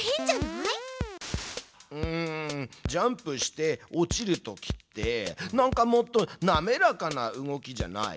ジャンプして落ちるときってなんかもっとなめらかな動きじゃない？